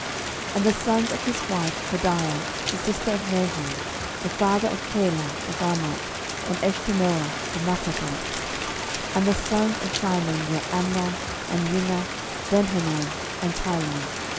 13:004:019 And the sons of his wife Hodiah the sister of Naham, the father of Keilah the Garmite, and Eshtemoa the Maachathite. 13:004:020 And the sons of Shimon were, Amnon, and Rinnah, Benhanan, and Tilon.